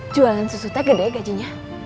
jualan susu tak gede gajinya